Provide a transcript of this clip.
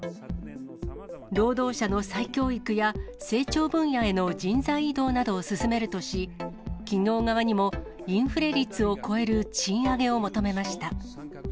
労働者の再教育や、成長分野への人材移動などを進めるとし、企業側にもインフレ率を超える賃上げを求めました。